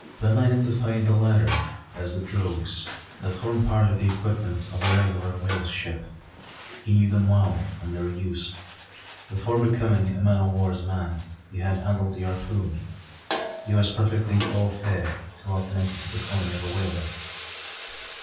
Ben identified the latter as the "drogues," that form part of the equipment of a regular whale ship. He knew them well, and their use. Before becoming a man o' war's man, he had handled the harpoon; and was perfectly au fait to all connected with the calling of a whaler.